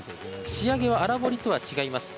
仕上げは粗彫りとは違います。